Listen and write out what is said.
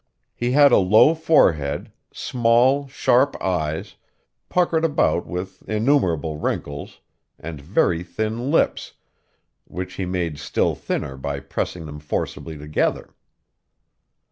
He had a low forehead, small, sharp eyes, puckered about with innumerable wrinkles, and very thin lips, which he made still thinner by pressing them forcibly together.